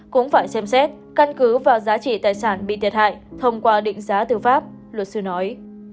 cũng phải xem xét căn cứ vào giá trị tài sản bị thiệt hại thông qua định giá tư pháp luật sư nói